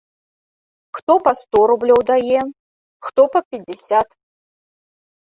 Хто па сто рублёў дае, хто па пяцьдзясят.